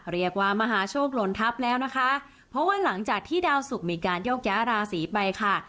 เรียกว่ามหาโชคหล่นทัพแล้วนะคะเพราะว่าหลังจากที่ดาวสุกมีการโยกย้าราศีไปค่ะ